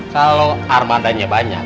kalau armadanya banyak